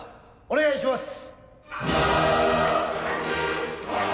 お願いします。